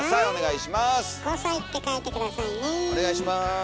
お願いします！